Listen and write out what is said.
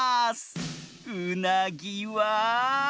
うなぎは。